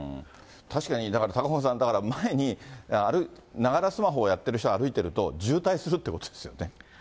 確かに高岡さん、だから前に、ながらスマホをやってる人が歩いてると、渋滞するってことですよね。